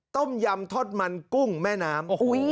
ต้มยำทอดมันกุ้งแม่น้ำ